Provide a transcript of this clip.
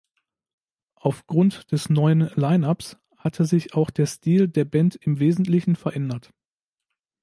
Aufgrund des neuen Line-Up's hatte sich auch der Stil der Band im Wesentlichen verändert.